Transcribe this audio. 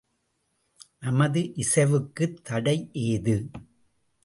நமது இசைவுக்குத் தடை ஏது?